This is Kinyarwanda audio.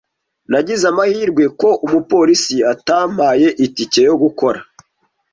Nagize amahirwe ko umupolisi atampaye itike yo gukora